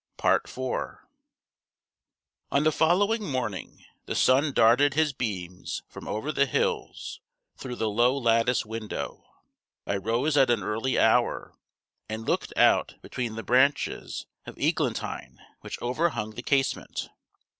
On the following morning, the sun darted his beams from over the hills through the low lattice window. I rose at an early hour, and looked out between the branches of eglantine which overhung the casement.